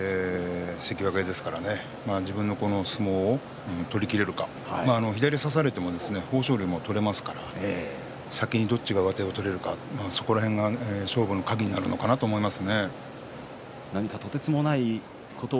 相手は関脇ですからね自分の相撲を取りきれるか左を差されても豊昇龍は取れますから先にどっちが上手を取るかそれが勝負の鍵になるかなと思います。